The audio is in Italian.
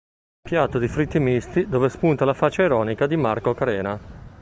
Un piatto di fritti misti, dove spunta la faccia ironica di Marco Carena.